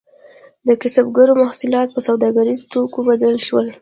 د کسبګرو محصولات په سوداګریزو توکو بدل شول.